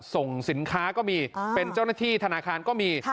ส่งสินค้าก็มีเป็นเจ้าหน้าที่ธนาคารก็มี